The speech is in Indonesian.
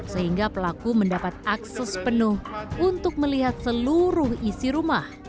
sehingga pelaku mendapat akses penuh untuk melihat seluruh isi rumah